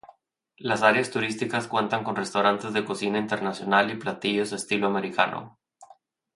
Las áreas turísticas cuentan con restaurantes de cocina internacional y platillos estilo americano.